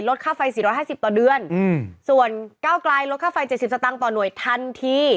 ค่าไฟ๔๕๐ต่อเดือนส่วนเก้าไกลลดค่าไฟ๗๐สตางค์ต่อหน่วยทันที